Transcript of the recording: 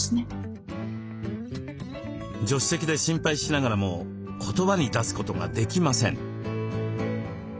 助手席で心配しながらも言葉に出すことができません。